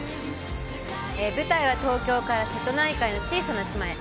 舞台は東京から瀬戸内海の小さな島へ。